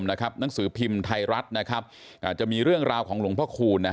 หนังสือพิมพ์ไทยรัฐจะมีเรื่องราวของหลวงพ่อคูณ